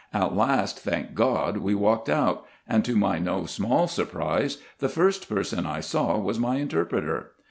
At last, thank God, we walked out ; and, to my no small surprise, the first person I saw was my interpreter.